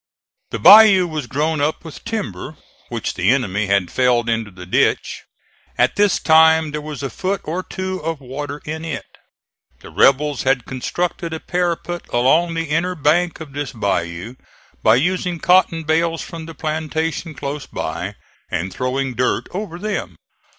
The bayou was grown up with timber, which the enemy had felled into the ditch. At this time there was a foot or two of water in it. The rebels had constructed a parapet along the inner bank of this bayou by using cotton bales from the plantation close by and throwing dirt over them.